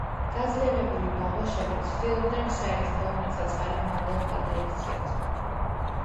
გაძლიერებული ბაღვაშები ცდილობდნენ საერისთავო მიწა-წყალი მამულად გადაექციათ.